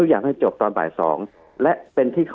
คุณหมอประเมินสถานการณ์บรรยากาศนอกสภาหน่อยได้ไหมคะ